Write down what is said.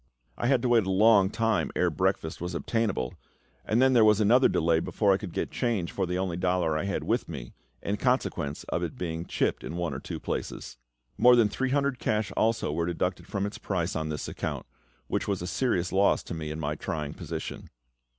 I had to wait a long time ere breakfast was obtainable, and then there was another delay before I could get change for the only dollar I had with me, in consequence of its being chipped in one or two places. More than three hundred cash also were deducted from its price on this account, which was a serious loss to me in my trying position.